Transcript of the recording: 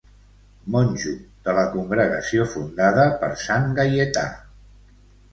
Monjo de la congregació fundada per sant Gaietà.